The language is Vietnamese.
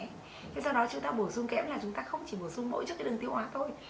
thế sau đó chúng ta bổ sung kẹm là chúng ta không chỉ bổ sung mỗi trước cái đường tiêu hóa thôi